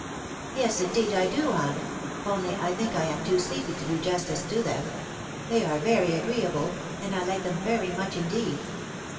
" Yes, indeed I do, aunt, .••• only I think I am too sleepy to do justice to them. They are very agreeable, and I like them very much indeed."